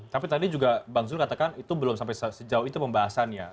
tapi tadi juga bang zul katakan itu belum sampai sejauh itu pembahasannya